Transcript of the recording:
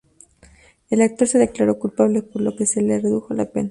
El actor se declaró culpable, por lo que se le redujo la pena.